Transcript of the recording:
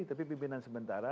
tapi pimpinan sementara